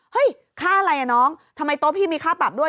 ค่าอะไรอ่ะน้องทำไมโต๊ะพี่มีค่าปรับด้วย